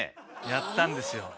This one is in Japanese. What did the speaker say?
やったんですよ。